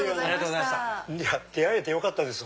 出会えてよかったです